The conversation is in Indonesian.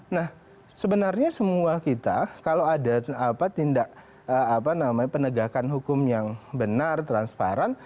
nah sebenarnya semua kita kalau ada tindak penegakan hukum yang benar transparan